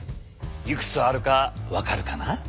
いくつあるか分かるかな？